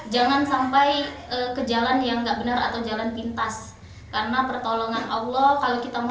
jangan sampai ke jalan yang gak benar atau jalan pindahnya